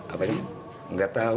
apa ini tidak tahu